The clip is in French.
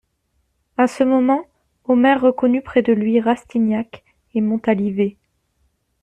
A ce moment, Omer reconnut près de lui Rastignac et Montalivet.